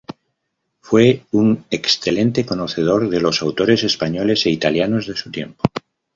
Fue un excelente conocedor de los autores españoles e italianos de su tiempo.